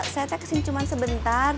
saya teh kesin cuman sebentar